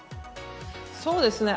そうですね。